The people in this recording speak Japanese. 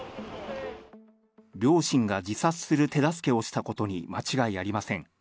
両親が自殺する手助けをしたことに間違いありません。